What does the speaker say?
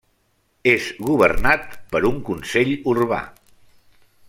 És governat per un consell urbà.